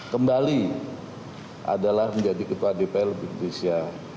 kembali adalah menjadi ketua dpr di indonesia